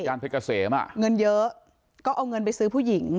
เพชรเกษมอ่ะเงินเยอะก็เอาเงินไปซื้อผู้หญิง